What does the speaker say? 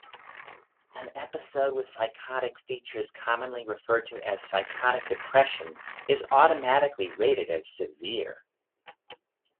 An episode with psychotic features-commonly referred to as "psychotic depression"-is automatically rated as severe.